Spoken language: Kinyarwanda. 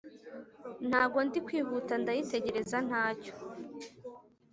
Ntago ndi kwihuta ndayitegereza ntacyo